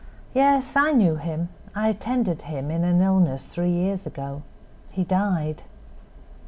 Yes, I knew him; I attended him in an illness three years ago. He died."